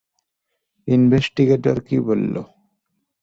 Investigator কী বলল?